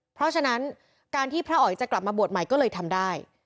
เพราะฉะนั้นการที่พระอ๋อยจะกลับมาบวชใหม่ก็เลยทำได้